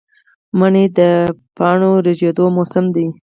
منی د پاڼو ریژیدو موسم دی